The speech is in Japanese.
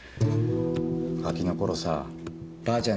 ガキの頃さぁばあちゃん